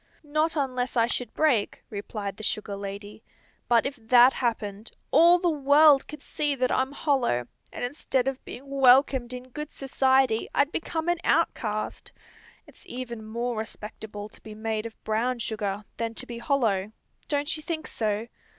"Not unless I should break," replied the sugar lady. "But if that happened, all the world could see that I'm hollow, and instead of being welcomed in good society I'd become an outcast. It's even more respectable to be made of brown sugar, than to be hollow; don't you think so?"